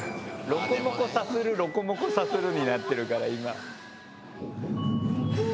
ロコモコ、さするロコモコ、さするになってるから今。